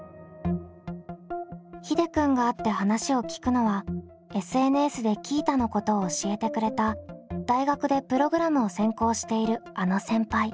ひでくんが会って話を聞くのはＳＮＳでＱｉｉｔａのことを教えてくれた大学でプログラムを専攻しているあの先輩。